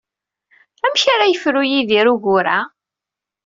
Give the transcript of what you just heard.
Amek ara yefru Yidir ugur-a?